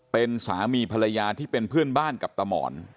เป็นสามีภรรยาที่เป็นเพื่อนบ้านกับตาหมอน